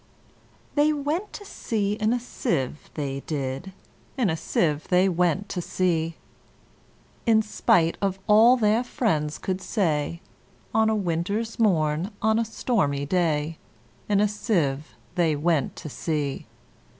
They went to sea in a sieve, they did; In a sieve they went to sea: In spite of all their friends could say, On a winter's morn, on a stormy day, In a sieve they went to sea.